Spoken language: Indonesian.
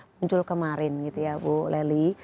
muncul kemarin gitu ya bu lely